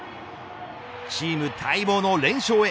チーム待望の連勝へ。